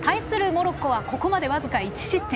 モロッコはここまで僅か１失点。